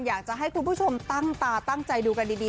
อยากจะให้คุณผู้ชมตั้งตาตั้งใจดูกันดี